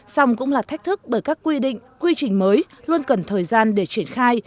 xong cũng là thách thức bởi các quy định quy trình mới luôn cần thời gian để triển khai